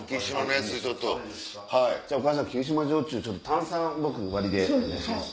焼酎炭酸割りでお願いします。